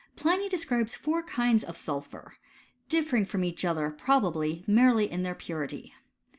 Pliny describes four kinds of sul phur, differing from each other, probably, merely in their purity.